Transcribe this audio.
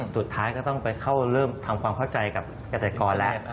สุดท้ายก็ต้องไปเข้าเริ่มทำความเข้าใจกับเกษตรกรแล้ว